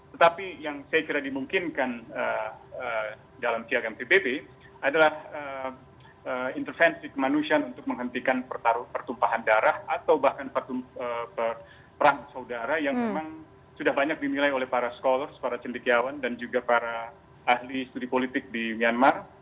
tetapi yang saya kira dimungkinkan dalam piagam pbb adalah intervensi kemanusiaan untuk menghentikan pertumpahan darah atau bahkan perang saudara yang memang sudah banyak dinilai oleh para scholars para cendikiawan dan juga para ahli studi politik di myanmar